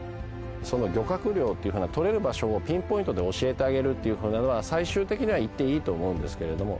漁獲量っていうふうなとれる場所をピンポイントで教えてあげるっていうふうなのは最終的にはいっていいと思うんですけれども。